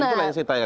itu yang saya tanya